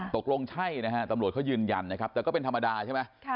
ตกลงใช่นะฮะตำรวจเขายืนยันนะครับแต่ก็เป็นธรรมดาใช่ไหม